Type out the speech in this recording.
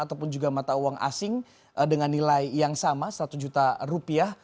ataupun juga mata uang asing dengan nilai yang sama seratus juta rupiah